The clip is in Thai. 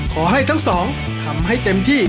ขอให้ทั้งสองทำให้เต็มที่